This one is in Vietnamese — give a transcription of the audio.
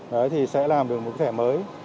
đấy thì sẽ làm được một thẻ mới